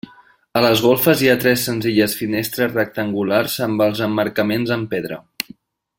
A les golfes hi ha tres senzilles finestres rectangulars amb els emmarcaments en pedra.